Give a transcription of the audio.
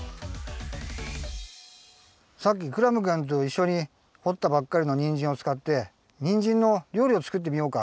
さっきクラムくんといっしょにほったばっかりのにんじんをつかってにんじんのりょうりをつくってみようか。